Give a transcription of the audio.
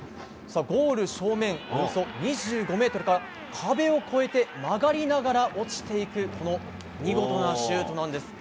ゴール正面、およそ２５ｍから壁を越えて曲がりながら落ちていくこの見事なシュートなんです。